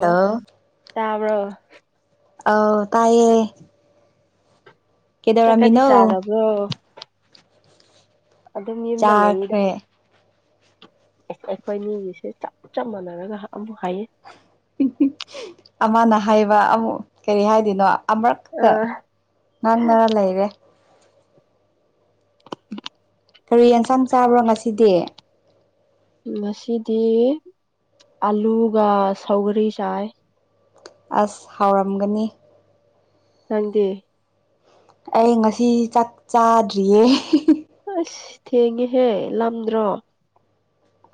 ꯑꯣ ꯑ ꯇꯥꯕ꯭ꯔꯣ ꯑ ꯇꯥꯏꯌꯦ ꯀꯗꯤ ꯀꯩꯗꯧꯔꯝꯃꯤꯅꯣ ꯆꯥꯂꯒꯣ ꯑꯗꯔꯅꯂꯗ ꯆꯥꯈ꯭ꯔꯦ ꯑꯩꯈꯣꯏ ꯃꯤꯒꯤꯁꯦ ꯆꯞ ꯆꯞ ꯃꯥꯟꯅꯔꯒ ꯑꯃꯨꯛ ꯍꯥꯏꯌꯦ ꯑꯃꯅ ꯍꯥꯏꯩꯕ ꯑꯃꯨꯛ ꯀꯔꯤ ꯍꯥꯏꯗꯅꯣ ꯑ ꯑꯃꯨꯔꯛꯇ ꯉꯥꯡ ꯉꯔ ꯂꯩꯔꯦ [inaudible] ꯀꯔꯤ ꯌꯦꯟꯁꯥꯡ ꯆꯥꯕ꯭ꯔꯣ ꯉꯁꯤꯗꯤ ꯉꯁꯤꯗꯤ ꯑꯂꯨꯒ ꯁꯧꯒꯔꯤ ꯆꯥꯏ ꯑꯁ ꯍꯥꯎꯔꯝꯒꯅꯤ ꯅꯪꯗꯦ ꯑꯩ ꯉꯁꯤ ꯆꯥꯛ ꯆꯥꯗ꯭ꯔꯤꯌꯦ ꯑꯁ ꯊꯦꯡꯉꯦꯍꯦ ꯂꯝꯗ꯭ꯔꯣ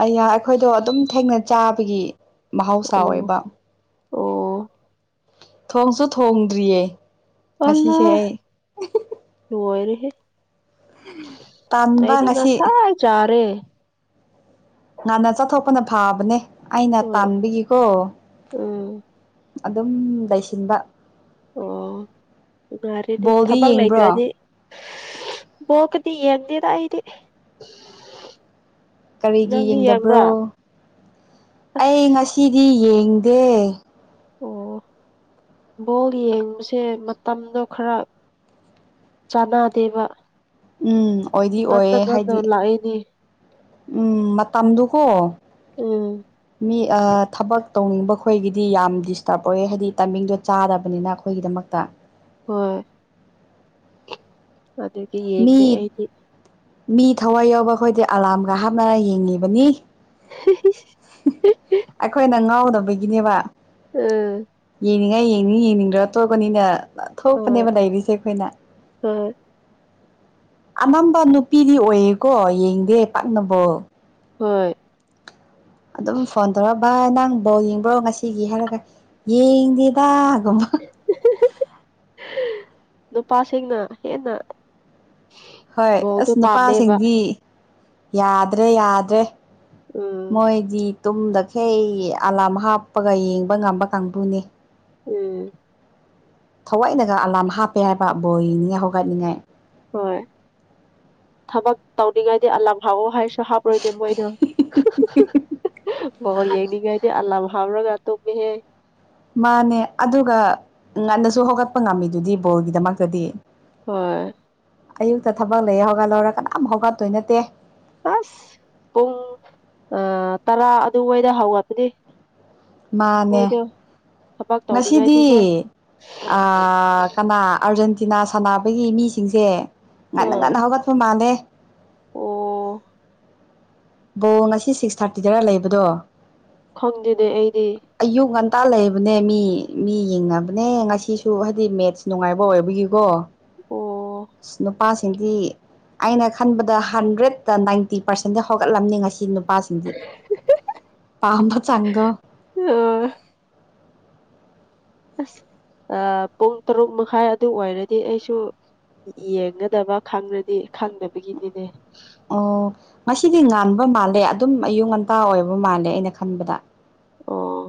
ꯑꯩ ꯑꯩꯈꯣꯏꯗꯣ ꯑꯗꯨꯝ ꯊꯦꯡꯅ ꯆꯥꯕꯒꯤ ꯑꯣ ꯃꯍꯧꯁꯥꯋꯕ ꯑꯣ ꯊꯣꯡꯁꯨ ꯊꯣꯡꯗ꯭ꯔꯤꯌꯦ ꯑꯜꯂ ꯉꯁꯤꯁꯦ ꯑꯩ ꯍꯣꯏꯔꯦ ꯇꯥꯟꯕ ꯉꯁꯤ ꯑꯩꯗꯤꯒꯁꯥꯏ ꯆꯥꯔꯦ ꯉꯥꯟꯟꯅ ꯆꯠꯊꯣꯛꯄꯅ ꯐꯥꯕꯅꯦ ꯑꯩꯅ ꯍꯣꯏ ꯇꯥꯟꯕꯒꯤꯀꯣ ꯎꯝ ꯑꯗꯨꯝ ꯂꯩꯁꯤꯟꯕ ꯑꯣ ꯉꯔꯦꯗꯤ ꯕꯣꯜꯗꯤ ꯊꯕꯛ ꯌꯦꯡꯕ꯭ꯔꯣ ꯂꯩꯇ꯭ꯔꯗꯤ ꯃꯀꯅꯤ ꯌꯦꯗꯏꯔ ꯀꯔꯤꯒꯤ ꯌꯦꯡꯗꯕ꯭ꯔꯣ ꯑꯩ ꯑꯁ ꯉꯁꯤꯗꯤ ꯌꯦꯡꯗꯦ ꯑꯣ ꯕꯣꯜ ꯌꯦꯡꯕꯁꯦ ꯃꯇꯝꯗꯣ ꯈꯔ ꯆꯥꯅꯥ ꯗꯦꯕ ꯎꯝ ꯑꯣꯏꯗꯤ ꯑꯣꯏꯌꯦꯦ ꯍꯥꯏꯗꯤ ꯂꯥꯛꯏꯅꯤ ꯎꯝ ꯃꯇꯝꯗꯨꯀꯣ ꯎꯝ ꯃꯤ ꯊꯕꯛ ꯇꯧꯅꯤꯡꯕ ꯈꯈꯣꯏꯒꯤꯗꯤ ꯌꯥꯝ ꯗꯤꯁꯇꯔꯕ ꯑꯣꯏꯌꯦ ꯍꯥꯏꯗꯤ ꯇꯥꯏꯃꯤꯡꯗꯣ ꯆꯥꯗꯕꯅꯤꯅ ꯑꯩꯈꯣꯏꯒꯤꯗꯃꯛꯇ ꯍꯣꯏ ꯑꯗꯨꯗꯤ ꯃꯤ ꯌꯦꯡꯗꯦ ꯑꯩꯗꯤ ꯃꯤ ꯊꯋꯥꯏ ꯌꯥꯎꯕ ꯑꯩꯈꯣꯏꯗꯤ ꯑꯂꯥꯔꯝꯒ ꯍꯥꯞꯅ ꯌꯦꯡꯉꯤꯕꯅꯤ ꯑꯩꯈꯣꯏꯅ ꯉꯥꯎꯗꯕꯒꯤꯅꯦꯕ ꯎꯝ ꯌꯦꯡꯅꯤꯡꯉꯥꯏ ꯌꯦꯡꯅꯤꯡ ꯌꯦꯡꯅꯤꯡꯗ꯭ꯔ ꯇꯣꯄꯅꯤꯅ ꯍꯣꯏ ꯊꯣꯛꯄꯅꯦꯕ ꯂꯩꯔꯤꯁꯦ ꯑꯩꯈꯣꯏꯅ ꯍꯣꯏ ꯑꯅꯝꯕ ꯅꯨꯄꯤꯗꯤ ꯑꯣꯏꯌꯦꯀꯣ ꯌꯦꯡꯗꯦ ꯄꯥꯛꯅꯕꯣ ꯍꯣꯏ ꯑꯗꯨꯝ ꯐꯣꯟ ꯇꯧꯔꯛ ꯚꯥꯏ ꯅꯪ ꯕꯜ ꯌꯦꯡꯕ꯭ꯔꯣ ꯉꯁꯤꯒꯤ ꯍꯥꯏꯔꯒ ꯌꯦꯡꯗꯦꯗ ꯀꯝꯕ ꯅꯨꯄꯥꯁꯤꯡꯅ ꯍꯦꯟꯅ ꯍꯣꯏ ꯕꯣꯜꯗꯣ ꯑꯁ ꯄꯥꯝꯃꯦꯕ ꯅꯨꯄꯥꯁꯤꯡꯗꯤ ꯌꯥꯗ꯭ꯔꯦ ꯌꯥꯗ꯭ꯔꯦ ꯎꯝ ꯃꯣꯏꯗꯤ ꯇꯨꯝꯗꯈꯩ ꯑꯂꯥꯝ ꯍꯥꯞꯄꯒ ꯌꯦꯡꯕ ꯉꯝꯕ ꯀꯥꯡꯕꯨꯅꯦ ꯎꯝ ꯊꯋꯥꯏꯅꯒ ꯑꯂꯥꯔꯝ ꯍꯥꯞꯄꯦ ꯍꯥꯏꯕ ꯕꯣꯏꯅꯤꯉꯥꯏ ꯍꯧꯒꯠꯅꯤꯡꯉꯥꯏ ꯍꯣ ꯊꯕꯛ ꯇꯧꯅꯤꯡꯉꯥꯏꯗꯤ ꯑꯜꯂꯥꯝ ꯊꯝꯃꫭ ꯍꯥꯏ ꯍꯥꯥꯞꯔꯣꯏꯅꯦ ꯃꯣꯏꯗꯤ ꯕꫭꯜ ꯌꯦꯡꯅꯤꯡꯉꯥꯏꯗꯤ ꯑꯜꯂꯥꯝ ꯍꯥꯞꯔꯒ [inaudible] ꯃꯥꯅꯦ ꯑꯗꯨꯒ ꯉꯟꯅꯁꯨ ꯍꯧꯒꯠꯄ ꯉꯝꯃꯤꯗꯨꯗꯤ ꯕꯣꯜꯒꯤꯗꯃꯛꯇꯗꯤ ꯍꯣꯏ ꯑꯌꯨꯛꯇ ꯊꯕꯛ ꯂꯩꯌꯦ ꯍꯧꯒꯠꯂꫭꯔꯒ ꯀꯅꯥꯝ ꯍꯧꯒꯠꯇꯣꯏ ꯅꯠꯇꯦ ꯑꯁ ꯄꯨꯡ ꯇꯔꯥ ꯑꯗꯨꯋꯥꯏꯗ ꯍꯧꯒꯠꯄꯗꯤ ꯃꯥꯅꯦ ꯊꯕꯛ ꯉꯁꯤꯗꯤ ꯇꯧꯅꯤꯡꯉꯥꯏꯗꯤꯀꯣ ꯑꯥ ꯀꯅꯥ ꯑꯔꯖꯦꯟ ꯇꯤꯅꯥ ꯁꯥꯟꯅꯕꯒꯤ ꯃꯤꯁꯤꯡꯁꯦ ꯉꯟꯅ ꯑ ꯉꯟꯅ ꯍꯧꯒꯠꯄ ꯃꯥꯜꯂꯦ ꯑꯣ ꯕꯣ ꯉꯁꯤ ꯁꯤꯡꯁ ꯍꯥꯐ ꯀꯤꯗꯔ ꯂꯩꯕꯗꯣ ꯈꯪꯗꯦꯅꯦ ꯑꯩꯗꯤ ꯍꯞꯇꯥ ꯂꯩꯕꯅꯦ ꯃꯤ ꯃꯤ ꯌꯦꯡꯅꯕꯅꯦ ꯉꯁꯤꯁꯨ ꯍꯥꯏꯗꯤ ꯃꯦꯠꯁ ꯅꯨꯡꯉꯥꯏꯕ ꯑꯣꯏꯕꯒꯤꯀꯣ ꯑꯣ ꯑꯁ ꯅꯨꯄꯥꯁꯤꯡꯗꯤ ꯑꯩꯅ ꯈꯟꯕꯗ ꯍꯟꯗ꯭ꯔꯦꯗꯠꯇ ꯅꯥꯏꯟꯇꯤ ꯄꯥꯔꯁꯦꯟꯗꯤ ꯍꯧꯒꯠꯂꯝꯅꯤ ꯉꯁꯤ ꯅꯨ ꯄꯥ ꯁꯤꯡꯗꯤ ꯄꯥꯝꯕ ꯆꯥꯡꯗꫭ ꯑ ꯑꯥ ꯄꯨꯡ ꯇꯔꯨꯛ ꯃꯈꯥꯏ ꯑꯗꯨ ꯑꯣꯏꯔꯗꯤ ꯑꯩꯁꯨ ꯌꯦꯡꯒꯗꯕ ꯈꯪꯉꯗꯤ ꯈꯪꯗꯕꯒꯤꯅꯤꯅꯦ ꯑꯣ ꯉꯁꯤꯗꯤ ꯉꯥꯟꯕ ꯃꯥꯜꯂꯦ ꯑꯗꯨꯝ ꯑꯌꯨꯛ ꯉꯟꯇꯥ ꯑꯣꯏꯕ ꯃꯥꯜꯂꯦ ꯑꯩꯅ ꯈꯟꯕꯗ ꯑꫭ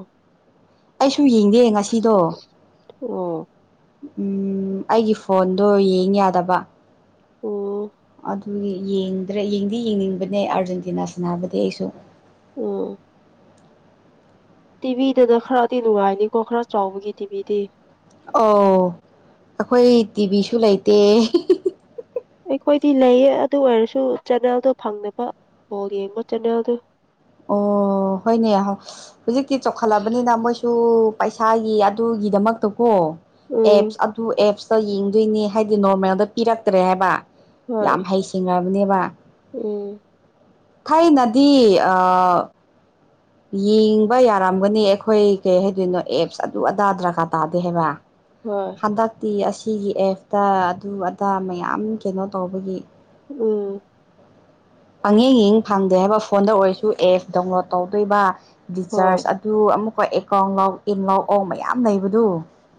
ꯁꯨ ꯌꯦꯡꯗꯦ ꯉꯁꯤꯗꯣ ꯑꯣ ꯎꯝ ꯑꯩꯒꯤ ꯐꯣꯟꯗꯣ ꯌꯦꯡ ꯌꯥꯗꯕ ꯑꯣ ꯑꯗꯨꯒꯤ ꯌꯦꯡꯗ꯭ꯔꯦ ꯌꯦꯡꯗꯤ ꯌꯦꯡꯅꯤꯡꯕꯅꯦ ꯑꯥꯔꯖꯦꯟꯇꯤꯅꯥ ꯁꯅꯥꯕꯗꫭ ꯑꯩꯁꯨ ꯑꯣ ꯇꯤꯚꯤꯗꯨꯅ ꯈꯔꯗꯤ ꯅꯨꯡꯉꯥꯏꯅꯤꯀꯣ ꯈꯔ ꯆꯥꯎꯕꯒꯤ ꯇꯤꯚꯤꯗꯤ ꯑꫭ ꯑꯩꯈꯣꯏ ꯇꯤꯚꯤꯁꯨ ꯂꯩꯇꯦ ꯑꯩꯈꯣꯏꯗꯤ ꯂꯩꯌꯦ ꯑꯗꯨ ꯑꯣꯏꯔꯁꯨ ꯆꯦꯟꯅꯜꯗꯣ ꯐꯪꯗꯕ ꯕꯣꯜ ꯌꯦꯡꯕꯩ ꯆꯦꯅꯦꯜꯗꯨ ꯑꯣ ꯍꯣꯏꯅꯦ ꯍꯧꯖꯤꯛꯇꯤ ꯆꯥꯎꯈꯠꯂꯕꯅꯤꯅ ꯃꯣꯏꯁꯨ ꯄꯩꯁꯥꯒꯤ ꯑꯗꯨꯒꯤꯗꯃꯛꯇ ꯀꯣ ꯎꯝ ꯑꯦꯞꯁ ꯑꯗꯨ ꯑꯦꯞꯁ ꯌꯦꯡꯗꯣꯏꯅꯦ ꯍꯥꯏꯗꯤ ꯅꯣꯔꯃꯦꯜꯗꯣ ꯄꯤꯔꯛꯇ꯭ꯔꯦ ꯍꯥꯏꯕ ꯍꯣꯏ ꯌꯥꯝ ꯍꯩꯁꯤꯡꯉꯕꯅꯦꯕ ꯎꯝ ꯊꯥꯏꯅꯗꯤ ꯑ ꯌꯦꯡꯕ ꯌꯥꯔꯝꯒꯅꯤ ꯑꯩꯈꯣꯏ ꯀꯩ ꯍꯥꯏꯗꯣꯏꯅꯣ ꯑꯦꯞꯁ ꯑꯗꯨ ꯑꯗꯥ ꯗꯔꯀꯥꯔ ꯇꯥꯗꯦ ꯍꯥꯏꯕ ꯍꯣꯏ ꯍꯟꯗꯛꯇꯤ ꯑꯁꯤꯒꯤ ꯑꯦꯞꯇ ꯑꯗꯨ ꯑꯗꯥ ꯃꯌꯥꯝ ꯀꯩꯅꯣ ꯇꯧꯕꯒꯤ ꯎꯝ ꯄꯪꯌꯦꯡ ꯌꯦꯡ ꯐꯪꯗꯦ ꯍꯥꯏꯕ ꯐꯣꯟꯗ ꯑꯣꯏꯔꯁꯨ ꯑꯦꯞ ꯗꯥꯎꯟꯂꯣꯠ ꯇꯧꯗꯣꯏꯕ ꯍꯣꯏ ꯔꯤꯆꯥꯔꯖ ꯑꯗꯨ ꯑꯃꯨꯛꯀ ꯑꯦꯀꯥꯎꯟ ꯂꯥꯎ ꯏꯟ ꯂꯥꯎ ꯑꯥꯎ ꯃꯌꯥꯝ ꯂꯩꯕꯗꯨ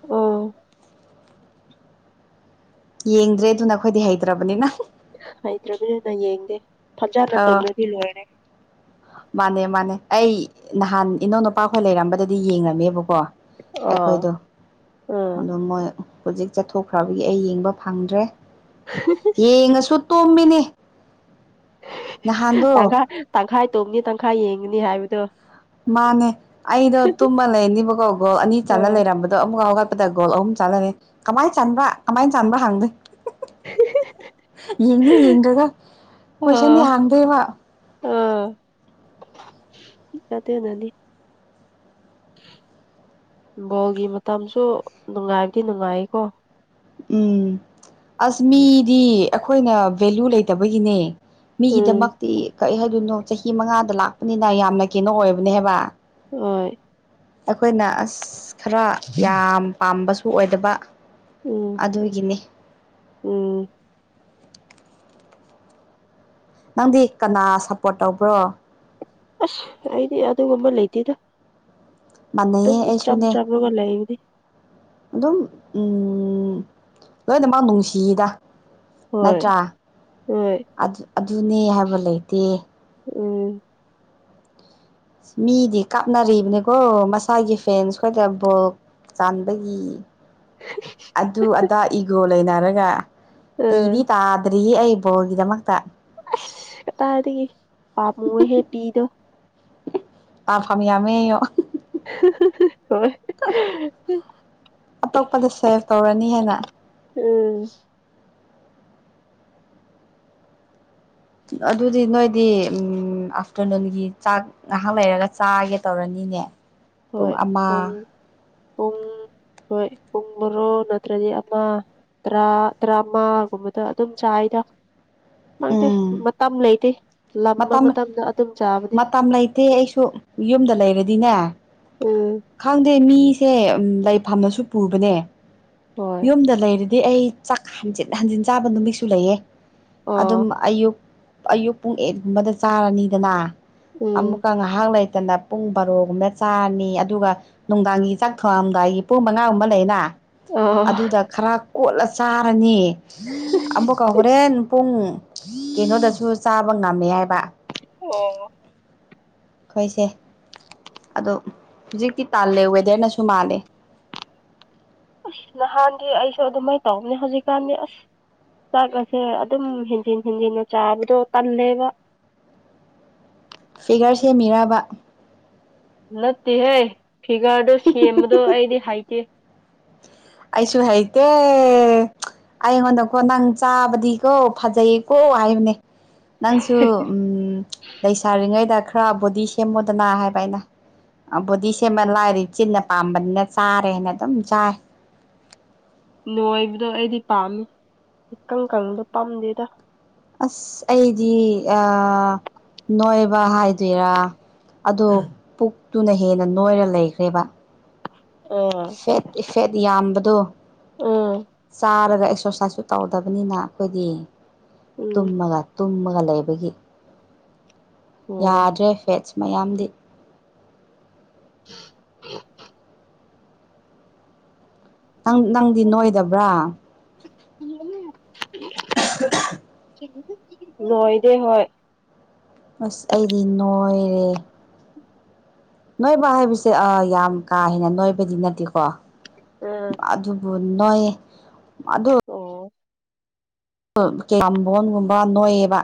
ꯑꯧ ꯌꯦꯡꯗ꯭ꯔꯦ ꯑꯗꯨꯅ ꯑꯩꯈꯣꯏꯗꯤ ꯍꯩꯇ꯭ꯔꯕꯅꯤꯅ ꯍꯩꯇ꯭ꯔꯕꯅꯤꯅ ꯌꯦꯡꯗꯦ ꯐꯖꯅ ꯑꯥ ꯇꯧꯅꯗꯤꯅꯦ ꯃꯥꯅꯦ ꯃꯥꯅꯦ ꯑꯩ ꯅꯍꯥꯟ ꯏꯅꯧ ꯅꯨꯨꯄꯥꯈꯣꯏ ꯂꯩꯔꯝꯕꯗꯗꯤ ꯌꯦꯡꯂꯝꯃꯦꯕ ꯀꯣ ꯑꯥ ꯑꯩꯈꯣꯏꯗꯣ ꯑꯥ ꯑꯗꯨ ꯃꯣꯏ ꯍꯧꯖꯤꯛ ꯆꯠꯊꯣꯛꯈ꯭ꯔꯕꯒꯤ ꯑꯩ ꯌꯦꯡꯕ ꯐꯪꯗ꯭ꯔꯦ ꯌꯦꯡꯉꯁꯨ ꯇꯨꯝꯃꯤꯅꯤ ꯇꯪꯈꯥꯏ ꯇꯪꯈꯥꯏ ꯇꯣꯡꯒꯤ ꯇꯪꯈꯥꯏ ꯌꯦꯡꯉꯅꯤ ꯍꯥꯏꯕꯗꯣ ꯃꯥꯅꯦ ꯑꯩꯗꯣ ꯇꯨꯝꯃ ꯂꯩꯅꯤꯕꯀꯣ ꯒꫭꯜ ꯑꯅꯤ ꯑ ꯆꯥꯟꯂ ꯂꯩꯔꯝꯕꯗꯣ ꯑꯃꯨꯛ ꯍꯧꯒꯠ ꯗ ꯒꯣꯜ ꯑꯍꯨꯝ ꯆꯂꯅꯤ ꯀꯃꯥꯏ ꯆꯟꯕ꯭ꯔꯥ ꯀꯃꯥꯏ ꯆꯟꯕ꯭ꯔꯥ ꯍꯪꯅꯤ ꯌꯦꯡꯗꯤ ꯌꯦꯡꯗꯦꯗ ꯈꫭꯏ ꯁꯨꯝ ꯂꯥꯎꯍꯟꯗꯣꯏꯕ ꯀꯗ ꯅꯅꯤ ꯕꯣꯜꯒꯤ ꯃꯇꯝꯁꯨ ꯅꯨꯡꯉꯥꯏꯕꯗꯤ ꯅꯨꯡꯉꯥꯏꯀꯣ ꯎꯝ ꯑꯁ ꯃꯤꯗꯤ ꯑꯩꯈꯣꯏꯅ ꯚꯦꯂꯨ ꯂꯩꯇꯕꯒꯤꯅꯦ ꯎꯝ ꯃꯤꯒꯤꯗꯃꯛꯇꯤ ꯀꯔꯤ ꯍꯥꯏꯗꯣꯏꯅꯣ ꯆꯍꯤ ꯃꯉꯥꯗ ꯂꯥꯛꯄꯅꯤꯅ ꯌꯥꯝꯅ ꯀꯩꯅꯣ ꯑꯣꯏꯕꯅꯦ ꯍꯥꯏꯕ ꯍꯣꯏ ꯑꯩꯈꯣꯏꯅ ꯑꯁ ꯈꯔ ꯌꯥꯝ ꯄꯥꯝꯕꯁꯨ ꯑꯣꯏꯗꯕ ꯎꯝ ꯑꯣꯗꯤꯒꯤꯅꯦ ꯎꯝ ꯅꯪꯗꯤ ꯀꯅꯥ ꯁꯞꯄꯣꯔꯠ ꯇꯧꯕ꯭ꯔꯣ ꯑꯁ ꯑꯩꯗꯤ ꯌꯥꯗꯒꯨꯝꯕ ꯂꯩꯇꯗ ꯃꯥꯟꯅꯩꯌꯦ ꯑꯩꯁꯨꯅꯦ ꯂꯩꯕꯅꯤ ꯑꯗꯨꯝ ꯎꯝ ꯎꯝ ꯂꯣꯏꯅ ꯃꯥ ꯅꯨꯡꯁꯤꯗ ꯍꯣꯏ ꯅꯠꯇ꯭ꯔꯥ ꯍꯣꯏ ꯑꯗꯨꯅꯦ ꯍꯥꯏꯕ ꯂꯩꯇꯦ ꯎꯝ ꯃꯤꯗꯤ ꯀꯥꯞꯅꯔꯤꯕꯅꯤꯀꯣ ꯃꯁꯥꯒꯤ ꯐꯦꯟꯁ ꯈꯣꯏꯗ ꯕꯣꯛ ꯆꯥꯟꯕꯒꯤ ꯑꯗꯨ ꯑꯗꯥ ꯏꯒꯣ ꯂꯩꯅꯔꯒ ꯄꯤꯗꯤ ꯑ ꯇꯥꯗ꯭ꯔꯤ ꯑꯩꯕꯣꯒꯤꯗꯃꯛꯇ ꯑꯁ ꯀꯇꯥꯗꯒꯤ ꯄꯥꯝꯃꯨꯍꯦ ꯄꯤꯗꯣ ꯑ ꯐꯃꯤ ꯌꯥ ꯑꯃꯣ ꯍꯣꯏ ꯑꯇꯣꯞꯄꯗ ꯁꯦꯚ ꯇꯧꯔꯅꯤ ꯍꯥꯏꯦꯟꯅ ꯎꯝ ꯑꯗꯨꯗꯤ ꯅꯣꯏꯗꯤ ꯎꯝ ꯑꯥꯐꯇꯔꯅꯨꯟꯒꯤ ꯆꯥꯛ ꯉꯥꯏꯍꯥꯛ ꯂꯩꯔꯒ ꯆꯥꯒꯦ ꯇꯧꯔꯅꯤ [unintelligible] ꯍꯣꯏ ꯄꯨꯡ ꯄꯨꯡ ꯍꯣꯏ ꯔꯣ ꯅꯠꯇ꯭ꯔꯗꯤ ꯑꯃ ꯇꯔꯥ ꯇꯔꯥꯃꯉꯥꯒꯨꯝꯕꯗ ꯑꯗꯨꯝ ꯆꯥꯔꯤꯗ ꯍꯪꯗꯦ ꯎꯝ ꯃꯇꯝ ꯑꯃ ꯂꯩꯇꯦ ꯂꯝꯕ ꯃꯇꯝ ꯃꯇꯝꯗ ꯑꯗꯨꯝ ꯆꯥꯕꯅꯤ ꯃꯇꯝ ꯂꯩꯇꯦ ꯑꯩꯁꯨ ꯌꯨꯝꯗ ꯂꯩꯔꯗꯤꯅꯦ ꯎꯝ ꯈꯪꯗꯦ ꯃꯤꯁꯦ ꯂꯩꯐꯝꯝꯅꯁꯨ ꯄꯨꯕꯅꯦ ꯍꯣꯏ ꯌꯨꯝꯗ ꯂꯩꯔꯗꯤ ꯑꯩ ꯆꯥꯛꯖꯤ ꯍꯟꯖꯤꯟ ꯆꯥꯕ ꯅꯨꯃꯤꯠꯁꯨ ꯂꯩꯌꯦ ꯑꯥ ꯑꯗꯨꯝ ꯑꯌꯨꯛ ꯑꯌꯨꯛ ꯄꯨꯡ ꯑꯦꯠꯒꯨꯝꯕꯗ ꯆꯥꯔꯅꯤꯗꯅ ꯎꯝ ꯑꯃꯨꯀ꫰ꯉ ꯍꯥꯡ ꯂꯥꯏ ꯍꯥꯏꯗꯅ ꯄꯨꯡ ꯕꯥꯔꯣꯒꯨꯝꯕꯗ ꯆꯥꯔꯅꯤ ꯑꯗꯨꯒ ꯅꯨꯡꯗꯥꯡꯒꯤ ꯆꯥꯛ ꯊꯣꯡꯔꯝꯗꯥꯏꯒꯤ ꯄꯨꯡ ꯃꯉꯥꯒꯨꯝꯕ ꯂꯩꯅ ꯑꯥ ꯑꯗꯨꯗ ꯈꯔ ꯀꯣꯠꯂ ꯆꯥꯔꯅꯤ ꯑꯃꯕꯛꯀ ꯍꯣꯔꯦꯟ ꯄꯨꯡ ꯀꯩꯅꯣꯗꯁꯨ ꯆꯥꯕ ꯉꯝꯃꯦ ꯍꯥꯏꯕ ꯑꯣ ꯑꯩꯈꯣꯏꯁꯦ ꯑꯗꯣ ꯍꯧꯖꯤꯛꯇꯤ ꯇꯥꯜꯂꯦ ꯋꯦꯗꯔꯅꯁꯨ ꯃꯥꯜꯂꯦ ꯑꯁ ꯅꯍꯥꯟꯗꯤ ꯑꯩꯁꯨ ꯑꯗꯨꯃꯥꯏꯅ ꯇꯧꯕꯅꯦ ꯍꯧꯖꯤꯛꯀꯥꯟꯗꯤ ꯑꯁ ꯆꯥꯛ ꯑꯁꯦ ꯑꯗꯨꯝ ꯍꯦꯟꯖꯤꯟ ꯍꯦꯟꯖꯤꯟꯅ ꯆꯥꯕꯗꯣ ꯇꯜꯂꯦꯕ [unintelligible] ꯐꯤꯒꯔ ꯁꯦꯝꯃꯤꯔꯕ ꯅꯠꯇꯦꯍꯦ ꯐꯤꯒꯔꯗꯣ ꯁꯦꯝꯕꯗꯣ ꯑꯩꯗꯤ ꯍꯥꯏꯇꯦ ꯑꯩꯁꯨ ꯍꯥꯏꯇꯦ ꯑꯩꯉꯣꯟꯗꯀꯣ ꯅꯪ ꯆꯥꯕꯗꯤꯀꯣ ꯐꯖꯩꯌꯦꯀꯣ ꯍꯥꯏꯕꯅꯦ ꯅꯪꯁꯨ ꯎꯝ ꯂꯩꯁꯥꯔꯤꯉꯩꯗ ꯈꯔ ꯕꯣꯗꯤ ꯁꯦꯝꯃꯣꯗꯅ ꯍꯥꯏꯕ ꯑꯩꯅ ꯕꯨꯗꯤ ꯁꯦꯝꯃ ꯂꯥꯏꯗꯤ ꯆꯤꯟꯅ ꯄꯥꯝꯕꯅꯤꯅ ꯆꯥꯔꯦꯅ ꯑꯗꯨꯝ ꯆꯥꯏ ꯅꯣꯏꯕꯗꯣ ꯑꯩꯗꯤ ꯄꯥꯝꯃꯤ ꯏꯀꯪ ꯀꯪꯗꯣ ꯄꯥꯝꯗꯦꯗ ꯑꯁ ꯑꯩꯗꯤ ꯅꯣꯏꯕ ꯍꯥꯏꯗꯣꯏꯔꯥ ꯑꯗꯣ ꯄꯨꯛꯇꯨꯅ ꯍꯦꯟꯅ ꯅꯣꯏꯔ ꯂꯩꯈ꯭ꯔꯦꯕ ꯑꯥ ꯐꯦꯠ ꯏꯐꯦꯠ ꯌꯥꯝꯕꯗꯣ ꯑꯥ ꯆꯥꯔꯒ ꯑꯗꯨꯒ ꯑꯦꯛꯁꯔꯁꯥꯏꯁꯁꯨ ꯇꯧꯗꯕꯅꯤꯅ ꯑꯩꯈꯣꯏꯗꯤ ꯎꯝ ꯇꯨꯝꯃꯒ ꯐ ꯂꯩꯕꯒꯤ ꯑꯣ ꯌꯥꯗ꯭ꯔꯦ ꯐꯦꯠꯁ ꯃꯌꯥꯝꯗꯤ ꯍ ꯅꯪ ꯅꯪꯗꯤ ꯅꯣꯏꯗꯕ꯭ꯔꯥ [inaudible] ꯂꯣꯏꯗꯦ ꯍꯣꯏ ꯑꯁ ꯑꯩꯗꯤ ꯅꯣꯏꯔꯦ ꯅꯣꯏꯕ ꯍꯥꯏꯕꯁꯦ ꯑ ꯌꯥꯝ ꯀꯥ ꯍꯦꯟꯅ ꯅꯣꯏꯕꯗꯤ ꯅꯠꯇꯦꯀꯣ ꯎꯝ ꯑꯗꯨꯕꯨ ꯅꯣꯏ ꯑꯣ ꯀꯝꯕꯣꯟꯒꯨꯝꯕ ꯅꯣꯏꯑꯦꯕ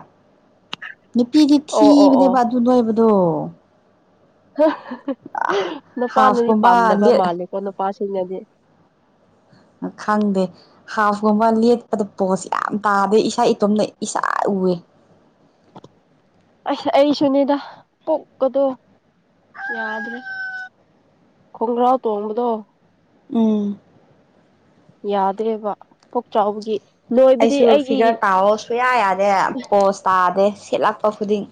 ꯅꯨꯄꯤꯗꯤ ꯑꯣ ꯑꯣ ꯊꯤꯕꯅꯦ ꯑꯣ ꯕꯥ ꯑꯗꯨ ꯅꯣꯏꯕꯗꯣ ꯅꯨꯄꯥꯅꯗꯤ ꯍꯥꯐꯀꯨꯝꯕ ꯄꯥꯝꯗꯅꯕ ꯂꯦꯠ ꯃꯥꯜꯂꯤꯀꯣ ꯅꯨꯄꯥꯁꯤ ꯗꯤꯦ ꯈꯪꯗꯦ ꯍꯥꯐꯀꯨꯝꯕ ꯂꯦꯠꯄꯗ ꯄꯣꯠꯁ ꯌꯥꯝ ꯇꯥꯗꯦ ꯏꯁꯥ ꯏꯇꯣꯝꯇ ꯏꯁꯥ ꯎꯑꯦ ꯑꯁ ꯑꯩꯁꯨꯅꯦꯗ ꯄꯣꯛꯀꯗꯣ ꯌꯥꯗ ꯈꯣꯡꯒ꯭ꯔꯥꯎ ꯇꯣꯡꯝꯕꯗꯣ ꯎꯝ ꯌꯥꯗ꯭ꯔꯦꯕ ꯄꯨꯣꯛ ꯆꯥꯎꯕꯒꯤ ꯅꯣꯏꯕꯗꯤ ꯑꯩꯁꯨ ꯑꯩꯒꯤ ꯐꯤꯒꯔ ꯇꯥꯑꯣ ꯁꯨꯌꯥ ꯌꯥꯗꯦ ꯄꯣꯁ ꯇꯥꯗꯦ ꯁꯤꯦꯠꯂꯛꯄ ꯈꯨꯗꯤꯡ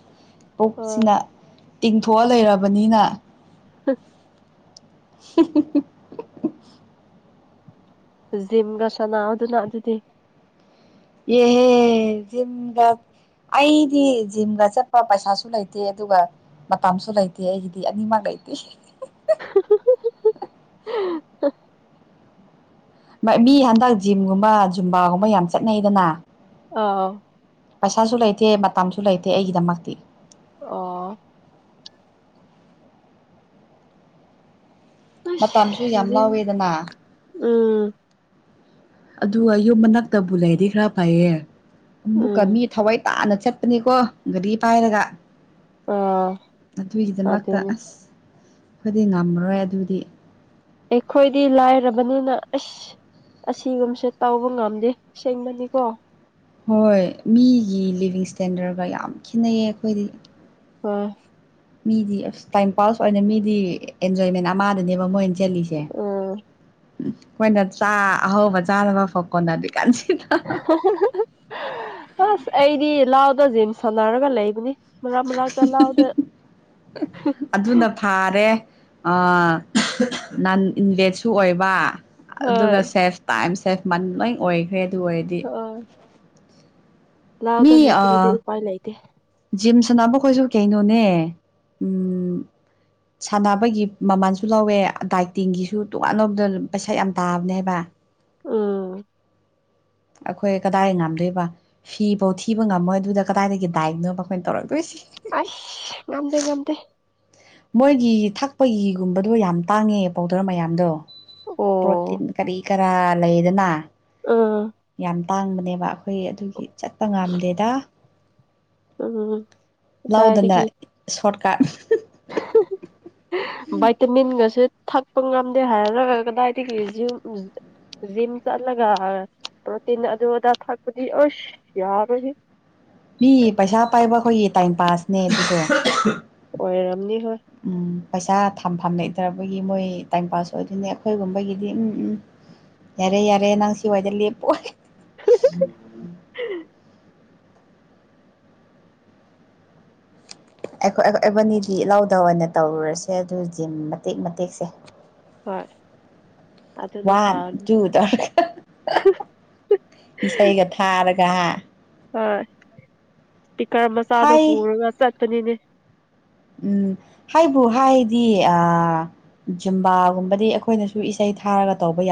ꯑꯥ ꯄꯨꯛꯁꯤꯅ ꯇꯤꯡꯊꯣꯛꯑ ꯂꯩꯔꯕꯅꯤꯅ ꯑ [inaudible] ꯖꯤꯝꯒ ꯁꯅꯥ ꯑꯗꯨꯅ ꯑꯗꯨꯗꯤ ꯑꯦꯍꯦ ꯖꯤꯝꯒ ꯑꯩꯗꯤ ꯖꯤꯝꯒ ꯆꯠꯄ ꯄꯩꯁꯥꯁꯨ ꯂꯩꯇꯦ ꯑꯗꯨꯒ ꯃꯇꯝꯁꯨ ꯂꯩꯇꯦ ꯑꯩꯒꯤꯗꯤ ꯑꯅꯤꯃꯛ ꯂꯩꯇꯦ [unintelligible] ꯃꯤ ꯍꯟꯗꯛ ꯖꯤꯝꯒꯨꯝꯕ ꯖꯨꯝꯕꯥꯒꯨꯝꯕ ꯌꯥꯝ ꯆꯠꯅꯩꯗꯅ ꯑꯥ ꯄꯩꯁꯥꯁꯨ ꯂꯩꯇꯦ ꯃꯇꯝꯁꯨ ꯂꯩꯇꯦ ꯑꯩꯒꯤꯗꯃꯛꯇꯤ ꯑꯣ ꯑꯁ ꯃꯇꯝꯁꯨ ꯌꯥꯝ ꯖꯤꯝ ꯂꯥꯎꯋꯦꯗꯅ ꯎꯝ ꯑꯗꯨꯒ ꯌꯨꯝ ꯃꯅꯥꯛꯇꯕꯨ ꯂꯩꯗꯤ ꯈꯔ ꯐꯩꯌꯦ ꯑꯃꯛꯀ ꯎꯝ ꯃꯤ ꯊꯋꯥꯏ ꯇꯥꯅ ꯆꯠꯄꯅꯤꯀꯣ ꯒꯥꯔꯤ ꯄꯥꯏꯔꯒ ꯑꯥ ꯑꯗꯨꯒꯤꯗꯃꯛꯇ ꯑꯗꯨꯅꯤ ꯑꯁ ꯑꯩꯣꯏꯗꯤ ꯉꯝꯃꯔꯣꯏ ꯑꯗꯨꯗꯤ ꯑꯩꯈꯣꯏꯗꯤ ꯂꯥꯏꯔꯕꯅꯤꯅ ꯑꯁ ꯑꯁꯤꯒꯨꯝꯕꯁꯦ ꯇꯧꯕ ꯉꯝꯗꯦ ꯁꯦꯡꯕꯅꯤꯀꯣ ꯍꯣꯏ ꯃꯤꯒꯤ ꯂꯤꯚꯡ ꯏꯁꯇꯦꯟꯗꯔꯠꯒ ꯌꯥꯝ ꯈꯦꯠꯅꯩꯌꯦ ꯑꯩꯈꯣꯏꯗꯤ ꯍ ꯃꯤꯗꯤ ꯑꯁ ꯇꯥꯏꯝ ꯄꯥꯁ ꯑꯣꯏꯅ ꯃꯤꯗꯤ ꯑꯦꯟꯖꯣꯏꯃꯦꯟ ꯑꯃꯗꯅꯦꯕ ꯃꯣꯏ ꯁꯤꯜꯂꯤꯁꯦ ꯎꯝ ꯑꯩꯈꯣꯏꯅ ꯆꯥ ꯑꯍꯧꯕ ꯆꯥꯅꯕ ꯐꯥꯎ ꯑꯁ ꯑꯩꯗꯤ ꯂꯥꯎꯗꯁꯤ ꯁꯅꯥꯔꯒ ꯂꯩꯕꯅꯦ ꯑꯗꯨꯅ ꯐꯥꯔꯦ ꯅꯟ ꯏꯟꯚꯦꯠꯁꯨ ꯑꯣꯏꯕ ꯑꯗꯨꯒ ꯍꯣꯏ ꯁꯦꯐ ꯇꯥꯏꯝ ꯁꯦꯜꯐ ꯃꯟ ꯂꯣꯏ ꯑꯣꯏꯈ꯭ꯔꯦ ꯑꯗꯨ ꯑꯣꯏꯔꯗꯤ ꯂꯥꯛꯗ ꯃꯤ ꯅꯠꯇ꯭ꯔꯗꯤ ꯎꯄꯥꯏ ꯂꯩꯇꯦ ꯖꯤꯝ ꯁꯥꯟꯅꯕꯈꯣꯏꯁꯨ ꯀꯩꯅꯣꯅꯦ ꯁꯥꯟꯅꯕꯒꯤ ꯃꯃꯜꯁꯨ ꯂꯧꯋꯦ ꯗꯥꯏ ꯇꯤꯡꯒꯤꯁꯨ ꯇꯣꯉꯥꯟꯅꯕꯗ ꯄꯩꯁꯥ ꯌꯥꯝ ꯇꯥꯕꯅꯦ ꯍꯥꯏꯕ ꯎꯝ ꯑꯩꯈꯣꯏ ꯀꯗꯥꯏ ꯉꯝꯗꯣꯏꯕ ꯐꯤꯐꯧ ꯊꯤꯕ ꯉꯝꯃꯣꯏ ꯑꯗꯨꯗ ꯀꯗꯥꯏꯗꯒꯤ ꯗꯥꯏꯠꯅꯣꯕ ꯑꯩꯈꯣꯏꯅ ꯇꯧꯔꯛꯇꯣꯏꯁꯤ ꯑꯁ ꯉꯝꯗ ꯉꯝꯗ ꯃꯣꯏꯒꯤ ꯊꯛꯄꯒꯤꯒꯨꯝꯕꯗꯣ ꯌꯥꯝ ꯇꯥꯡꯉꯦ ꯄꯥꯎꯗꯔ ꯃꯌꯥꯝꯗꯣ ꯑꯣ ꯄ꯭ꯔꯣꯇꯤꯟ ꯀꯔꯤ ꯀꯔꯥ ꯂꯩꯗꯅ ꯎꯝ ꯌꯥꯝ ꯇꯥꯡꯕꯅꯦꯕ ꯑꯩꯈꯣꯏ ꯑꯗꯨꯒꯤ ꯆꯠꯄ ꯉꯝꯗꯦꯗ ꯎꯝ ꯂꯥꯎꯗꯅ ꯀꯗꯥꯏꯗꯒꯤ ꯁꯣꯔꯠꯀꯥꯠ ꯚꯥꯏꯇꯃꯤꯟꯒꯁꯨ ꯊꯛꯄ ꯉꯝꯗꯦ ꯍꯥꯏꯔ ꯀꯗꯥꯏꯗꯒꯤ ꯖꯤꯝ ꯖꯤꯝ ꯆꯠꯂꯒ ꯄ꯭ꯔꯣꯇꯤꯟ ꯑꯗꯨ ꯑꯗꯥ ꯐꯛꯄꯗꯤ ꯑꯁ ꯌꯥꯎꯔꯗꯤ ꯃꯤ ꯄꯩꯁꯥ ꯄꯥꯏꯕ ꯑꯩꯈꯣꯏꯒꯤ ꯇꯥꯏꯝ ꯄꯥꯁꯅꯦ ꯁꯤꯁꯦ ꯍꯔꯝꯅꯤ ꯎꯝ ꯄꯩꯁꯥ ꯊꯝ ꯐꯥꯝ ꯂꯩꯇꯕꯒꯤ ꯃꯣꯏ ꯇꯥꯏꯝ ꯄꯥꯁ ꯑꯣꯏꯗꯣꯏꯅꯦ ꯑꯩꯈꯣꯏꯒꯨꯝꯕꯒꯤꯗꯤ ꯎꯝ ꯎꯝ ꯌꯥꯔꯦ ꯌꯥꯔꯦ ꯅꯪ ꯁꯤꯋꯥꯏꯗ ꯂꯦꯞꯄ ꯑꯩꯈꯣꯏ ꯑꯩꯕꯅꯤꯗꯤ ꯏꯜꯂꯥꯎꯗ ꯑꯣꯏꯅ ꯇꯧꯔꯨꯔꯁꯦ ꯑꯗꯨ ꯖꯤꯝ ꯃꯇꯦꯛ ꯃꯇꯦꯛꯁꯦ ꯍꯣꯏ ꯑꯗꯨꯅ ꯋꯥꯟ ꯐꯅꯤ ꯇꯨ ꯇ ꯏꯁꯩꯒ ꯊꯥꯔꯒ ꯀꯍꯥ ꯍꯣꯏ ꯄꯤꯀꯔ ꯃꯆꯥꯗꯣ ꯍꯥꯏ ꯄꯨꯔꯒ ꯆꯠꯄꯅꯤꯅꯦ ꯎꯝ ꯍꯥꯏꯕꯨ ꯍꯥꯏꯗꯤ ꯑ ꯖꯨꯝꯕꯥꯒꯨꯝꯕꯗꯤ ꯑꯩꯈꯣꯏꯅꯁꯨ ꯏꯁꯩ ꯊꯥꯔꯒ ꯇꯧꯕ ꯌꯥꯕ